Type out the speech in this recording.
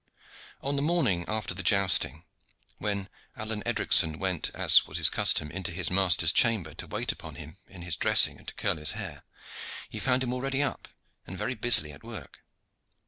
On the morning after the jousting, when Alleyne Edricson went, as was his custom, into his master's chamber to wait upon him in his dressing and to curl his hair, he found him already up and very busily at work.